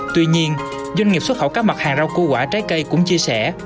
tuy nhiên doanh nghiệp xuất khẩu các mặt hàng rau củ quả trái cây cũng chia sẻ